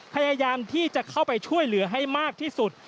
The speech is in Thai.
พยายามที่จะเข้าไปช่วยเหลือให้มากที่สุด